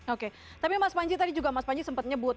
oke tapi mas panji tadi juga mas panji sempat nyebut